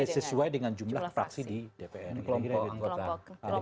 sesuai dengan jumlah praksi di dpr